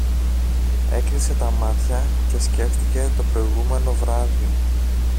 Έκλεισε τα μάτια και σκέφτηκε το προηγούμενο βράδυ